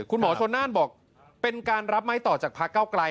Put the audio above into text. คุณหมอชนน่านบอกเป็นการรับไม้ต่อจากพระเก้าไกล